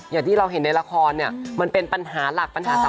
อย่างที่เราเห็นในละครเนี่ยมันเป็นปัญหาหลักปัญหาสำคัญ